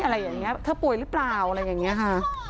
อะไรอย่างนี้เธอป่วยหรือเปล่าอะไรอย่างนี้ค่ะ